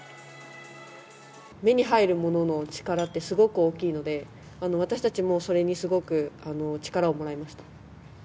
目に入るものの力って、すごく大きいので、私たちもそれにすごく力をもらいました。